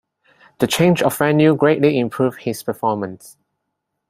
The change of venue greatly improved his performance.